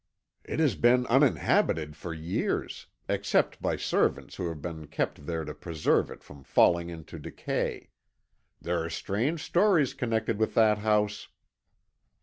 "It has been uninhabited for years, except by servants who have been kept there to preserve it from falling into decay. There are strange stories connected with that house."